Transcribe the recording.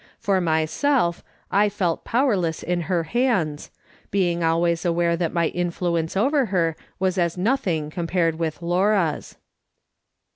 For myself, I felt powerless in her hands, being always aware that my influence over her was as nothing compared with Laura's.